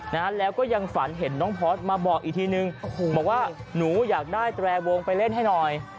นะฮะแล้วก็ยังฝันเห็นน้องพอร์ตมาบอกอีกทีนึงโอ้โหบอกว่าหนูอยากได้แตรวงไปเล่นให้หน่อย